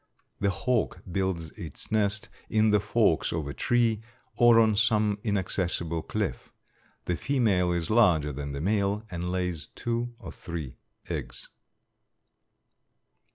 The hawk builds its nest in the forks of a tree or on some inaccessible cliff. The female is larger than the male and lays two or three eggs.